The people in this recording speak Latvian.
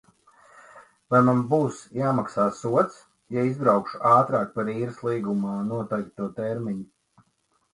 Vai man būs jāmaksā sods, ja izbraukšu ātrāk par īres līgumā noteikto termiņu?